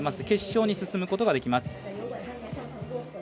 決勝に進むことができます。